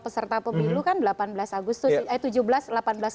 peserta pemilu kan delapan belas agustus eh